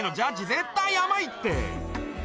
絶対甘いって！